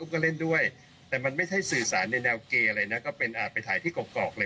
ก็เล่นด้วยแต่มันไม่ใช่สื่อสารในแนวเกลิยอะไรก็เป็นอ่า